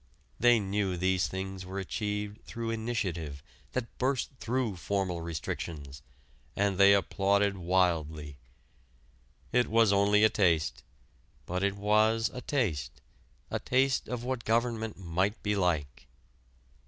They knew these things were achieved through initiative that burst through formal restrictions, and they applauded wildly. It was only a taste, but it was a taste, a taste of what government might be like.